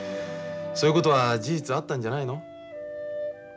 そういうことは事実あったんじゃないの？